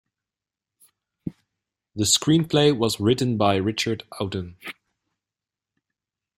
The screenplay was written by Richard Outten.